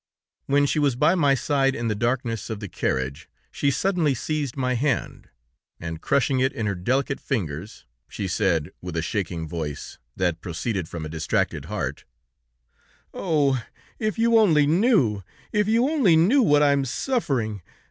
"When she was by my side in the darkness of the carriage, she suddenly seized my hand, and crushing it in her delicate fingers, she said, with a shaking voice, that proceeded from a distracted heart: 'Oh! If you only knew, if you only knew what I am suffering!